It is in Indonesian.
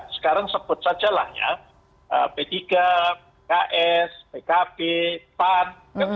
sekarang sebut sajalah ya p tiga ks pkb pan